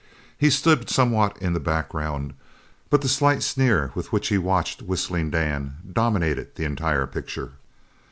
He stood somewhat in the background, but the slight sneer with which he watched Whistling Dan dominated the entire picture.